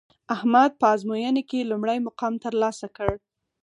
احمد په ازموینه کې لومړی مقام ترلاسه کړ